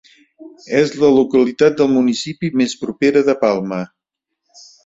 És la localitat del municipi més propera de Palma.